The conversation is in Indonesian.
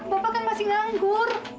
bapak kan masih nganggur